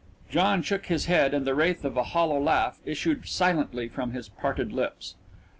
John shook his head and the wraith of a hollow laugh issued silently from his parted lips.